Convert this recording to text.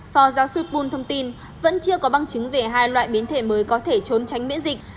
phò giáo sư poon thông tin vẫn chưa có băng chứng về hai loại biến thể mới có thể trốn tránh biễn dịch